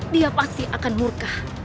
dia pasti akan murka